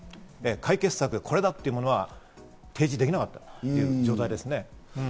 解決策、これだというものは提示できなかったという状態ですね。